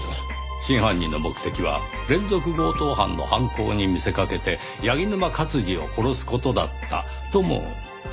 真犯人の目的は連続強盗犯の犯行に見せかけて柳沼勝治を殺す事だったとも考えられますねぇ。